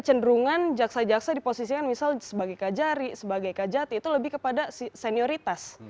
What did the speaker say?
kecenderungan jaksa jaksa diposisikan misal sebagai kajari sebagai kajati itu lebih kepada senioritas